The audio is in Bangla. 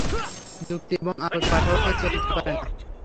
যুক্তি এবং আবেগ পাশাপাশি চলতে পারে না।